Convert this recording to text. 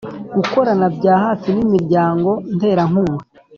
Gukorana bya hafi n’imiryango nterankunga